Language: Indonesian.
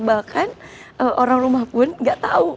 bahkan orang rumah pun gak tau